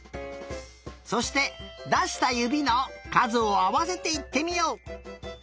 そしてだしたゆびのかずをあわせていってみよう。